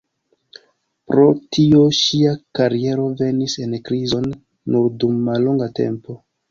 Pro tio ŝia kariero venis en krizon nur dum mallonga tempo.